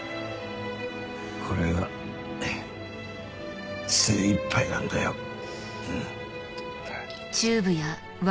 これが精いっぱいなんだよ。